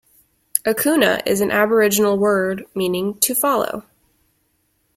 Akuna is an Aboriginal word meaning "to follow".